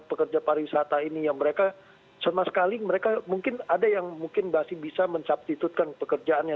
pekerja pariwisata ini yang mereka sama sekali mereka mungkin ada yang mungkin masih bisa mensubstitudekan pekerjaannya